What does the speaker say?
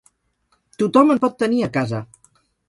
Tothom en pot tenir a casa!